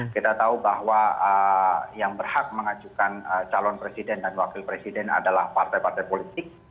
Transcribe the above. kita tahu bahwa yang berhak mengajukan calon presiden dan wakil presiden adalah partai partai politik